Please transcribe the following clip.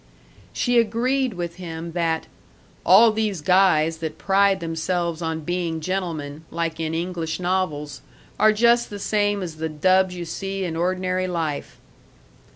She agreed with him that "All these guys that pride themselves on being gentlemen like in English novels are jus' the same as the dubs you see in ordinary life."